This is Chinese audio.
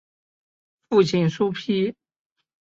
父亲苏玭。